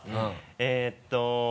えっと。